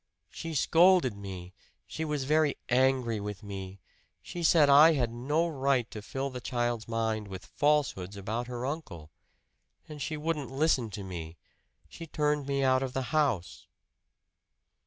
"She scolded me! She was very angry with me. She said I had no right to fill the child's mind with falsehoods about her uncle. And she wouldn't listen to me she turned me out of the house."